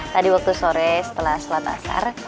tadi waktu sore setelah sholat asar